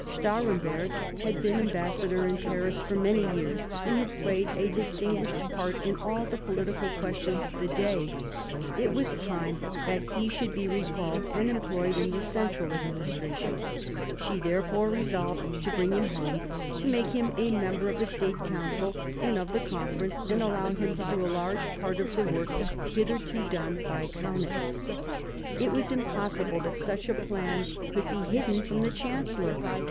Stahremberg had been ambassador in Paris for many years, and had played a distinguished part in all the political questions of the day; it was time that he should be recalled and employed in the central administration. She therefore resolved to bring him home, to make him a member of the State Council and of the Conference, and allow him to do a large part of the work hitherto done by i [• r / J 1765 70 DOMESTIC AFFAIRS 211 Kaunitz. It was impossible that such a plan could be hidden from the chancellor.